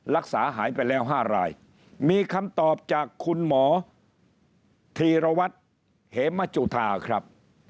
รักษาหายไปแล้ว๕รายมีคำตอบจากคุณหมอธีรวัตรเหมจุธาครับ